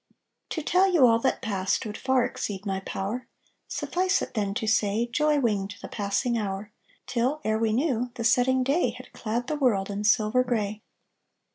To tell you all that passed Would far exceed my power; Suffice it, then, to say, Joy winged the passing hour, Till, ere we knew, The setting day Had clad the world In silver grey.